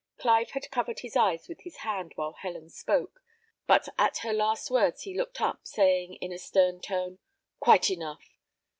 Clive had covered his eyes with his hand while Helen spoke; but at her last words he looked up, saying, in a stern tone, "Quite enough!